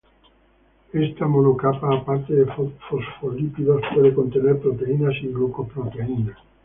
Esta monocapa, aparte de fosfolípidos, puede contener proteínas y glucoproteínas.